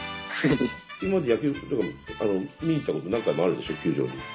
今まで野球とか見に行ったこと何回もあるでしょ球場に。